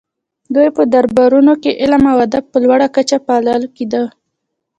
د دوی په دربارونو کې علم او ادب په لوړه کچه پالل کیده